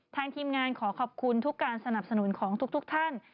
ทีมงานขอขอบคุณทุกการสนับสนุนของทุกท่าน